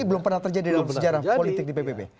belum pernah terjadi dalam sejarah politik di pbb